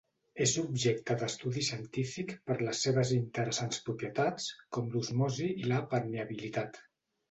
És objecte d'estudi científic per les seves interessants propietats, com l'osmosi i la permeabilitat.